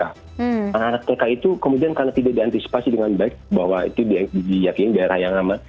anak anak tk itu kemudian karena tidak diantisipasi dengan baik bahwa itu diyakini daerah yang aman